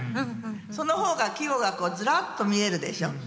その方が季語がずらっと見えるでしょ。